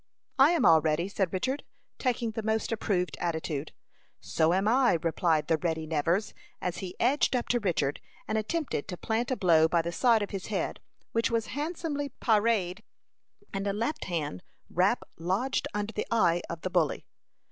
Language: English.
"I am all ready," said Richard, taking the most approved attitude. "So am I," replied the ready Nevers, as he edged up to Richard, and attempted to plant a blow by the side of his head, which was handsomely parried, and a left handed rap lodged under the eye of the bully.